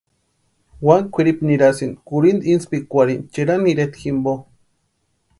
Wani kwʼiripu nirasïnti kurhinta intspikwarhini Cherani ireta jimpo.